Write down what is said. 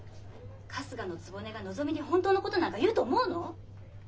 春日局がのぞみに本当のことなんか言うと思うの？